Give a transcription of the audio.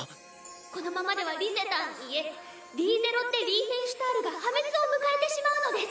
このままではリゼたんいえリーゼロッテ・リーフェンシュタールが破滅を迎えてしまうのです。